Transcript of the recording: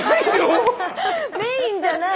メインじゃない。